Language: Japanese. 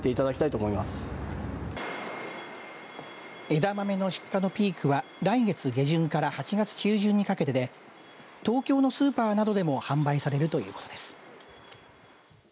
枝豆の出荷のピークは来月下旬から８月中旬にかけてで東京のスーパーなどでも販売されるということです。